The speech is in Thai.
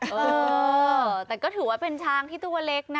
เออแต่ก็ถือว่าเป็นช้างที่ตัวเล็กนะ